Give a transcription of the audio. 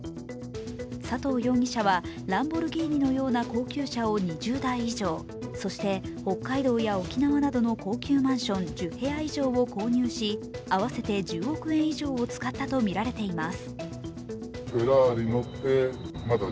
佐藤容疑者はランボルギーニのような高級車を２０台以上そして北海道や沖縄などの高級マンション１０部屋以上を購入し合わせて１０億円以上を使ったとみられています。